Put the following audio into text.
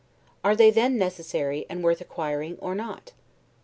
Are they then necessary, and worth acquiring, or not?